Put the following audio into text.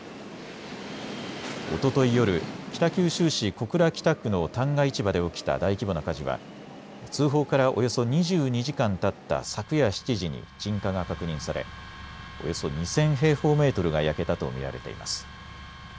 おととい夜、北九州市小倉北区の旦過市場で起きた大規模な火事は通報からおよそ２２時間たった昨夜７時に鎮火が確認されおよそ２０００平方メートルが焼けたと見られています。